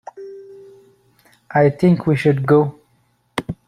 I think we should go.